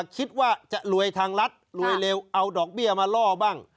คิดว่าจะรวยทางรัฐรวยเร็วเอาดอกเบี้ยมาล่อบ้าง